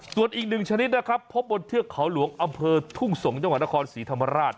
ส่วนอีกหนึ่งชนิดนะครับพบบนเทือกเขาหลวงอำเภอทุ่งสงศ์จังหวัดนครศรีธรรมราช